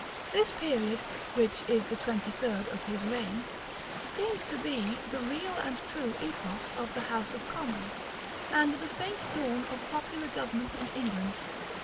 This period, which is the twenty third of his reign, seems to be the real and true epoch of the house of commons, and the faint dawn of popular government in England.